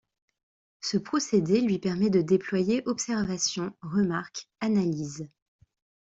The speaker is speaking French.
Ce procédé lui permet de déployer observations, remarques, analyses.